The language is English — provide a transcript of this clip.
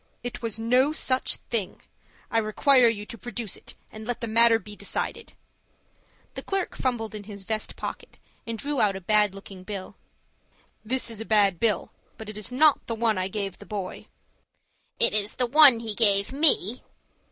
"It was no such thing. I require you to produce it, and let the matter be decided." The clerk fumbled in his vest pocket, and drew out a bad looking bill. "This is a bad bill, but it is not the one I gave the boy." "It is the one he gave me."